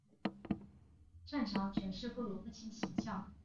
擅长诠释各种父亲形象和政府工作人员形象。